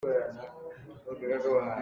Ka mit ka ṭheh len nain a thei kho lo.